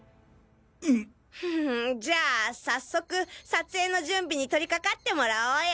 じゃあ早速撮影の準備にとりかかってもらおうよ